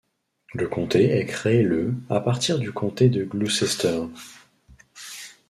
Le comté est créé le à partir du comté de Gloucester.